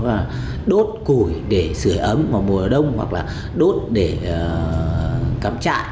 đó là đốt củi để sửa ấm vào mùa đông hoặc là đốt để cắm chạy